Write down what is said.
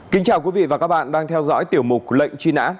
kính chào quý vị và các bạn đang theo dõi tiểu mục lệnh truy nã